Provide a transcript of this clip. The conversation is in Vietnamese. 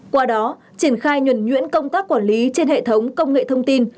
qua đó triển khai nhuẩn nhuyễn công tác quản lý trên hệ thống công nghệ thông tin